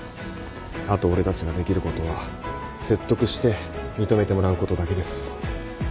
あと俺たちができることは説得して認めてもらうことだけです。